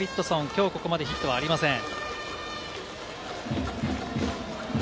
きょうここまでヒットはありません。